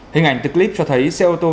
hình ảnh từ clip cho thấy xe ô tô